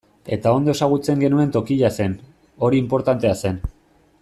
Eta ondo ezagutzen genuen tokia zen, hori inportantea zen.